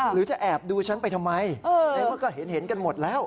หรือจะแอบดูฉันไปทำไมในเมื่อก็เห็นกันหมดแล้ว